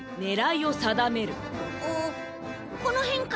あっこのへんかな？